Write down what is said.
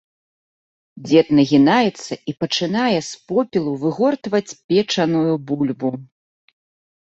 Дзед нагінаецца і пачынае з попелу выгортваць печаную бульбу.